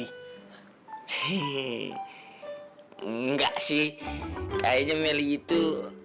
hehehe nggak sih kayaknya melly itu